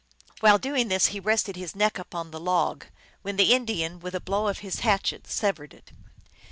While doing this he rested his neck upon the log, when the Indian with a blow of his hatchet severed it.